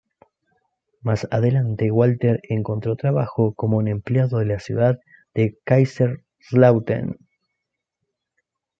Más adelante Walter encontró trabajo como un empleado de la ciudad de Kaiserslautern.